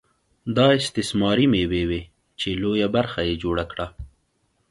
دا استثماري مېوې وې چې لویه برخه یې جوړه کړه